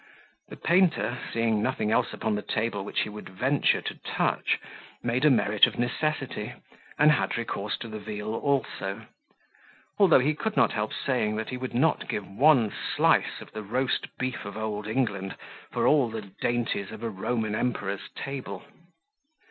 The painter, seeing nothing else upon the table which he would venture to touch, made a merit of necessity, and had recourse to the veal also; although he could not help saying that he would not give one slice of the roast beef of Old England for all the dainties of a Roman Emperor's table.